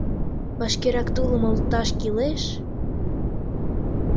Вашкерак тулым олташ кӱлеш...»